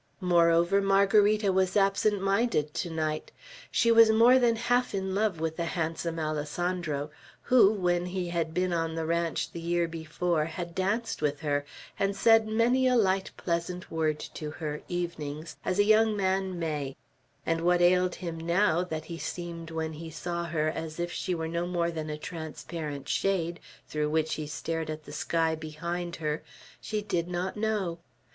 Moreover, Margarita was absent minded to night. She was more than half in love with the handsome Alessandro, who, when he had been on the ranch the year before, had danced with her, and said many a light pleasant word to her, evenings, as a young man may; and what ailed him now, that he seemed, when he saw her, as if she were no more than a transparent shade, through which he stared at the sky behind her, she did not know.